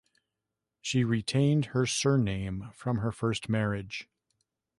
She retained her surname from her first marriage.